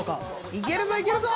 いけるぞいけるぞ！